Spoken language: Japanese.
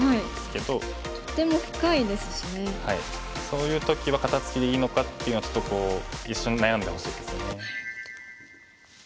そういう時は肩ツキでいいのかっていうのはちょっとこう一瞬悩んでほしいですね。